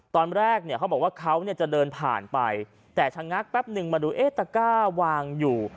ตอนแรกเนี่ยเขาบอกว่าเขาเนี่ยจะเดินผ่านไปแต่ชะงักแป๊บนึงมาดูเอ๊ะตะก้าวางอยู่